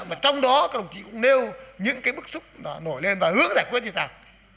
mà trong đó các đồng chí cũng nêu những cái bức xúc nổi lên và hướng giải quyết như thế nào